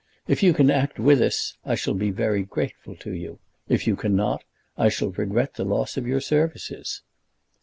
If you can act with us I shall be very grateful to you. If you cannot, I shall regret the loss of your services."